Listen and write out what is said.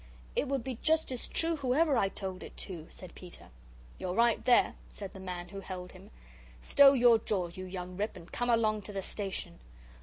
"It would be just as true whoever I told it to," said Peter. "You're right there," said the man, who held him. "Stow your jaw, you young rip, and come along to the station."